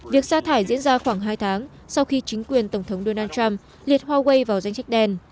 việc xa thải diễn ra khoảng hai tháng sau khi chính quyền tổng thống donald trump liệt huawei vào danh sách đen